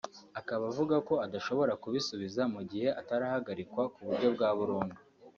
akaba avuga ko adashobora kubisubiza mu gihe atarahagarikwa ku buryo bwa burundu